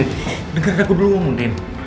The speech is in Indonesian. deng andi dengerin aku dulu ngomongin